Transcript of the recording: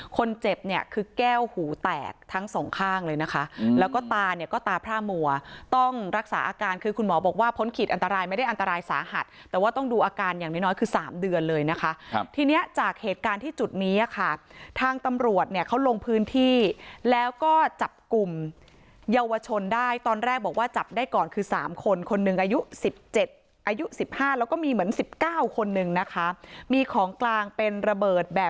คนเจ็บเนี่ยคือแก้วหูแตกทั้งสองข้างเลยนะคะแล้วก็ตาเนี่ยก็ตาพระมัวต้องรักษาอาการคือคุณหมอบอกว่าพ้นขีดอันตรายไม่ได้อันตรายสาหัสแต่ว่าต้องดูอาการอย่างนิ้วน้อยคือ๓เดือนเลยนะคะทีนี้จากเหตุการณ์ที่จุดนี้ค่ะทางตำรวจเนี่ยเขาลงพื้นที่แล้วก็จับกลุ่มเยาวชนได้ตอนแรกบอกว่าจับได้ก่อนคือ๓